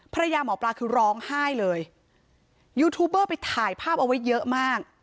ภรรยาหมอปลาคือร้องไห้เลยยูทูบเบอร์ไปถ่ายภาพเอาไว้เยอะมาก